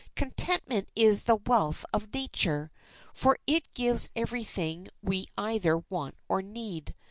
Contentment is the wealth of nature, for it gives every thing we either want or need.